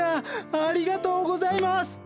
ありがとうございます！